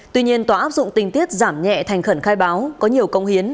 tuy nhiên tòa áp dụng tình tiết giảm nhẹ thành khẩn khai báo có nhiều công hiến